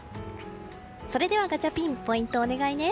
それでは、ガチャピンポイントをお願いね。